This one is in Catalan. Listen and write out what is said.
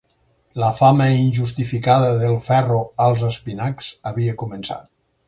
La fama injustificada del ferro als espinacs havia començat”.